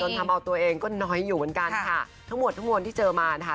ทำเอาตัวเองก็น้อยอยู่เหมือนกันค่ะทั้งหมดทั้งมวลที่เจอมานะคะ